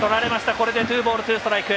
これでツーボールツーストライク。